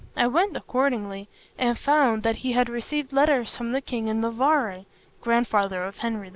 I went accordingly, and found that he had received letters from the king of Navarre (grandfather of Henry IV.).